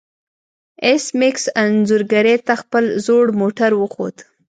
ایس میکس انځورګرې ته خپل زوړ موټر وښود